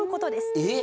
えっ！？